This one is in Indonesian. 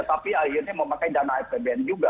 tapi akhirnya mau pakai dana apbn juga